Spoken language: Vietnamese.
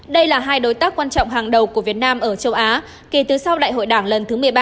đây là hai đối tác quan trọng hàng đầu của việt nam ở châu á kể từ sau đại hội đảng lần thứ một mươi ba